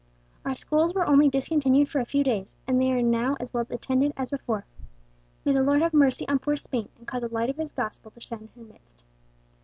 "Our schools were only discontinued for a few days, and they are now as well attended as before. May the Lord have mercy on poor Spain, and cause the light of His gospel to shine in her midst!"